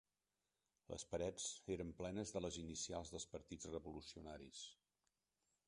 Les parets eren plenes de les inicials dels partits revolucionaris